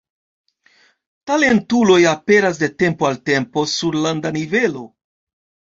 Talentuloj aperas de tempo al tempo sur landa nivelo.